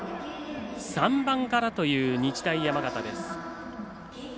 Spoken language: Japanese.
３番からという日大山形です。